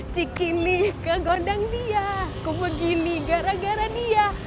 cikini ke gondang dia ke begini gara gara dia